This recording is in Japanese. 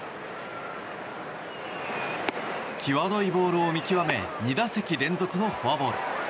際どいボールを見極め２打席連続のフォアボール。